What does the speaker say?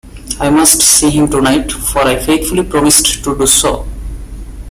I must see him tonight, for I faithfully promised to do so.